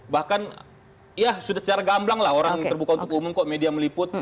bahkan ya sudah secara gamblang lah orang terbuka untuk umum kok media meliput